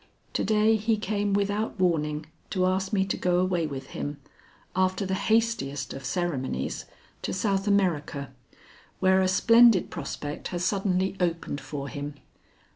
To day he came without warning to ask me to go away with him, after the hastiest of ceremonies, to South America, where a splendid prospect has suddenly opened for him.